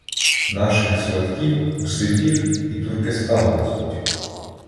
— Наших "сватків" у Сибір і Туркестан везуть.